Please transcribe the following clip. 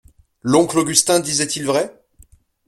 L'oncle Augustin disait-il vrai?